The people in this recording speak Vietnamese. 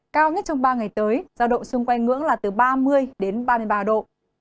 cao nhất trong ba ngày tới giao động xung quanh ngưỡng là từ ba mươi đến ba mươi ba độ